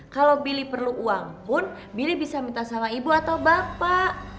kalau billy perlu uang pun billy bisa minta sama ibu atau bapak